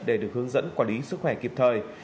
để được hướng dẫn quản lý sức khỏe kịp thời